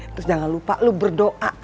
terus jangan lupa lo berdoa